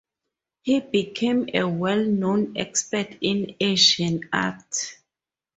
He became a well-known expert in Asian art.